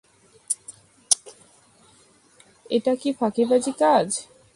এটা কি ফাঁকিবাজি কাজ?